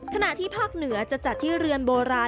ขณะที่ภาคเหนือจะจัดที่เรือนโบราณ